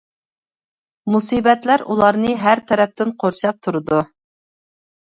مۇسىبەتلەر ئۇلارنى ھەر تەرەپتىن قورشاپ تۇرىدۇ.